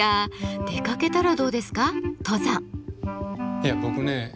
いや僕ね